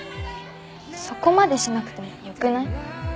そこまでしなくてもよくない？